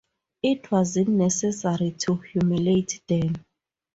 It wasn't necessary to humiliate them.